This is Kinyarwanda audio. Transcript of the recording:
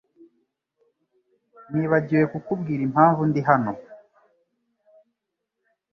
Nibagiwe kukubwira impamvu ndi hano.